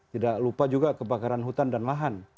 tidak lupa juga kebakaran hutan dan lahan